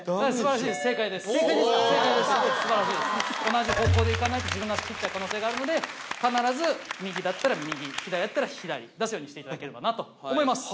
同じ方向で行かないと自分の足斬る可能性があるので必ず右だったら右左だったら左出すようにしていただければなと思います。